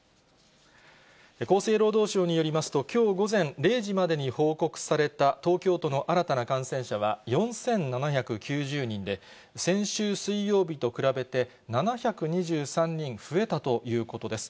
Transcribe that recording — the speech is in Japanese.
厚生労働省によりますと、きょう午前０時までに報告された東京都の新たな感染者は４７９０人で、先週水曜日と比べて７２３人増えたということです。